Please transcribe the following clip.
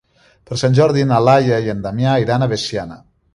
Per Sant Jordi na Laia i en Damià iran a Veciana.